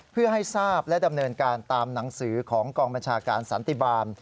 เพื่อให้ทราบและดำเนินการตามหนังสือของกองบัญชาการสันติบาล